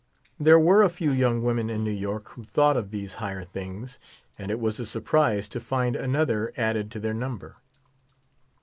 There were a few young women in New York who thought of tliese higher things, and it was a surprise to find another added to their number.